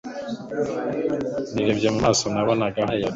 Nirebye mu maso nabonaga hayaga.